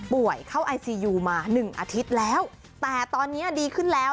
เข้าไอซียูมาหนึ่งอาทิตย์แล้วแต่ตอนนี้ดีขึ้นแล้ว